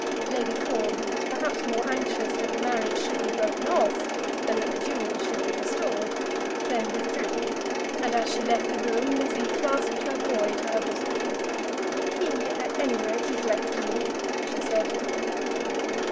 Lady Fawn, who was perhaps more anxious that the marriage should be broken off than that the jewels should be restored, then withdrew; and as she left the room Lizzie clasped her boy to her bosom. "He, at any rate, is left to me," she said.